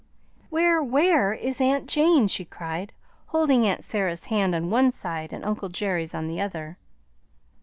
"Where, where is aunt Jane?" she cried, holding aunt Sarah's hand on one side and uncle Jerry's on the other.